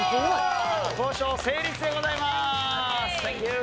交渉成立でございます。